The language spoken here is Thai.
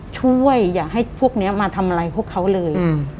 อย่าให้พวกนี้มาทำอะไรพวกเขาเลย